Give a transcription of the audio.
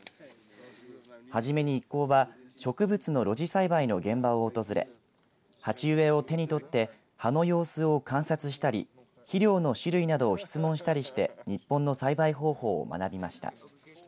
初めに一行は植物の露地栽培の現場を訪れ鉢植えを手に取って葉の様子を観察したり肥料の種類などを質問したりして日本の栽培方法を学びました。